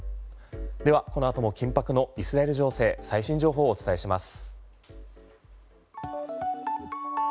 では、この後も緊迫のイスラエル情勢最新情報をお伝えします。